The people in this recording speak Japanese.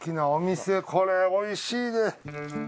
これおいしいで。